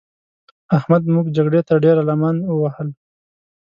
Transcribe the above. احمد موږ جګړې ته ډېره لمن ووهل.